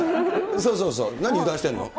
そうそうそう、何、油断してんの。